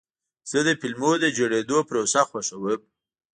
زه د فلمونو د جوړېدو پروسه خوښوم.